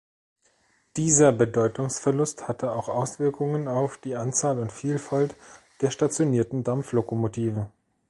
Dieser Bedeutungsverlust hatte auch Auswirkungen auf die Anzahl und Vielfalt der stationierten Dampflokomotiven.